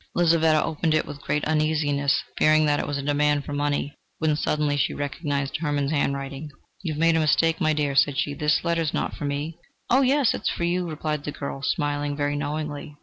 Lizaveta opened it with great uneasiness, fearing that it was a demand for money, when suddenly she recognised Hermann's hand writing. "You have made a mistake, my dear," said she: "this letter is not for me." "Oh, yes, it is for you," replied the girl, smiling very knowingly.